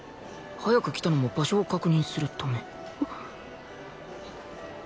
早く来たのも場所を確認するため